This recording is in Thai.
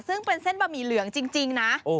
ซึ่งเป็นเส้นบะหมี่เหลืองจริงนะ